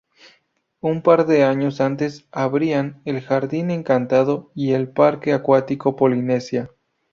Un par de años antes abrían el Jardín Encantado y el Parque Acuático Polinesia.